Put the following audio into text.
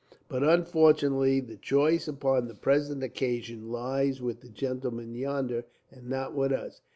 But unfortunately, the choice upon the present occasion lies with the gentlemen yonder, and not with us.